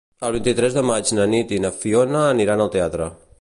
El vint-i-tres de maig na Nit i na Fiona aniran al teatre.